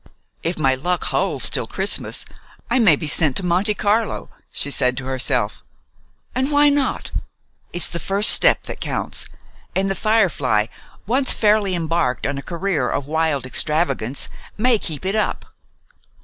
"If my luck holds till Christmas, I may be sent to Monte Carlo," she said to herself. "And why not? It's the first step that counts, and 'The Firefly,' once fairly embarked on a career of wild extravagance, may keep it up."